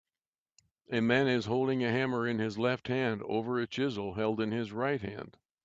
A man is holding a hammer in his left hand over a chisel held in his right hand